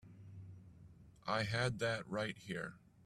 I had that right here.